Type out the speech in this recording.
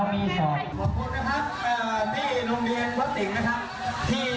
ที่โรงเรียนกบวัดสิงห์